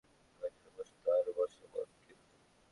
ও এখানে বসত, আরামসে মদ গিলত।